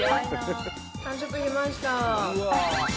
完食しました。